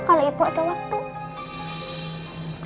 kalau ibu ada waktu